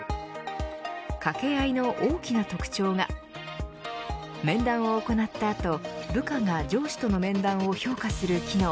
ＫＡＫＥＡＩの大きな特徴が面談を行った後部下が上司との面談を評価する機能。